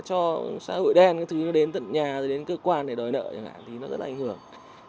cho xã hội đen cái thứ đến tận nhà đến cơ quan để đòi nợ thì nó rất là ảnh hưởng